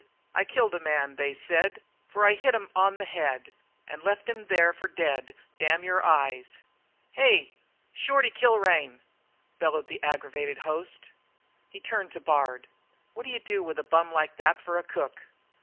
I killed a man they said, For I hit 'im on the head, And I left him there for dead Damn your eyes!" "Hey! Shorty Kilrain!" bellowed the aggravated host. He turned to Bard. "What'd you do with a bum like that for a cook?"